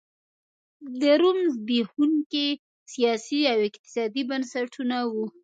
د روم زبېښونکي سیاسي او اقتصادي بنسټونه وو